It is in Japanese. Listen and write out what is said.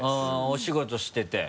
お仕事してて？